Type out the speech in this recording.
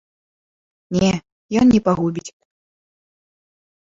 Не, ён не пагубіць.